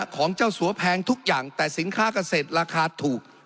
ของเจ้าสัวแพงทุกอย่างแต่สินค้าเกษตรราคาถูก